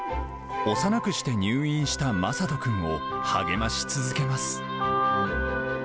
幼くして入院したまさとくんを励まし続けます。